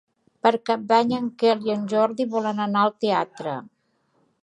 Per Cap d'Any en Quel i en Jordi volen anar al teatre.